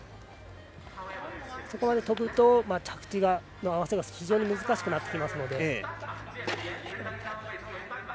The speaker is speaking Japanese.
あそこまでとぶと着地の合わせが非常に難しくなってきますので。